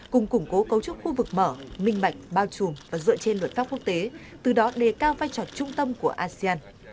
cùng củng cố cấu trúc khu vực mở minh bạch bao trùm và dựa trên luật pháp quốc tế từ đó đề cao vai trò trung tâm của asean